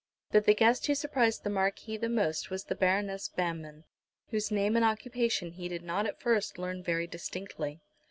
But the guest who surprised the Marquis the most, was the Baroness Banmann, whose name and occupation he did not at first learn very distinctly.